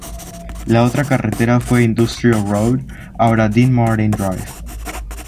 La otra carretera fue Industrial Road ahora Dean Martin Drive.